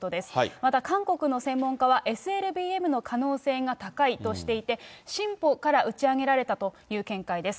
また韓国の専門家は、ＳＬＢＭの可能性が高いとしていて、シンポから打ち上げられたという見解です。